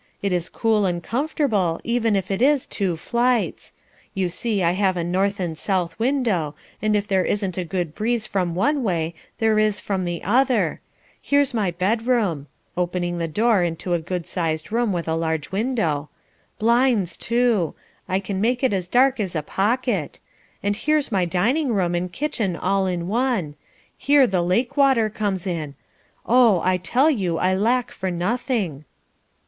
It's cool and comfortable, even if it is two flights. You see I have a north and south window, and if there isn't a good breeze from one way there is from the other; here's my bedroom" (opening the door into a good sized room with a large window), "blinds too. I can make it as dark as a pocket; and here's my dining room, and kitchen all in one; here the lake water comes in; oh I tell you, I lack for nothing."